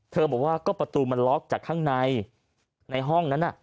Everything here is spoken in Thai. บอกว่าก็ประตูมันล็อกจากข้างในในห้องนั้นน่ะ